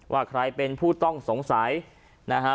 ว่าใครเป็นผู้ต้องสงสัยนะฮะ